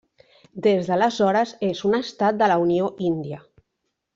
Des d'aleshores és un estat de la Unió índia.